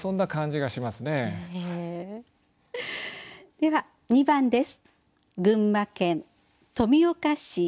では２番です。